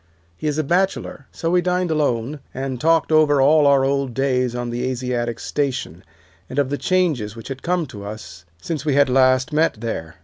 He is a bachelor, so we dined alone and talked over all our old days on the Asiatic Station, and of the changes which had come to us since we had last met there.